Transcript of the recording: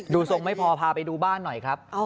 ทรงไม่พอพาไปดูบ้านหน่อยครับ